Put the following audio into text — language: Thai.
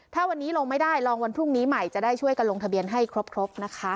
ถ้าวันนี้ลงไม่ได้ลองวันพรุ่งนี้ใหม่จะได้ช่วยกันลงทะเบียนให้ครบนะคะ